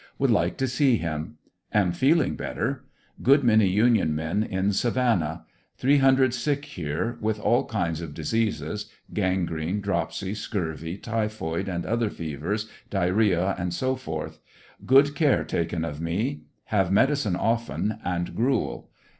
Would like to see him. Am feeling better. Good many union men in Savannah. Three hundred sick here, with all kinds of diseases — gangrene, dropsy, scurvy, typhoid and other fevers, diarrhea, &c. Good care taken of me. Have medicine often, and gruel.